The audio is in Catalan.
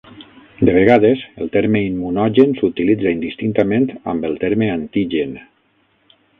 De vegades, el terme immunogen s'utilitza indistintament amb el terme antigen.